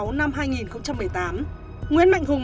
nguyễn mạnh hùng đã đặt tên cho bộ y tế kết luận